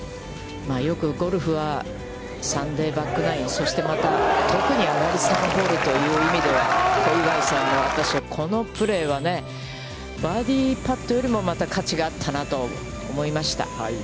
よくゴルフは、サンデーバックナイン、そしてまた特に上がり３ホールという意味では、小祝さんのこのプレーは、バーディーパットよりも、また勝ちがあったなと思いました。